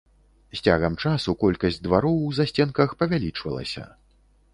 З цягам часу колькасць двароў у засценках павялічвалася.